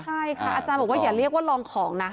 ใช่ค่ะอาจารย์บอกว่าอย่าเรียกว่าลองของนะ